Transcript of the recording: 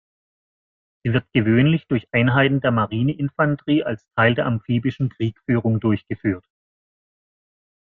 Sie wird gewöhnlich durch Einheiten der Marineinfanterie als Teil der Amphibischen Kriegführung durchgeführt.